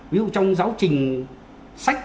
ví dụ trong giáo trình sách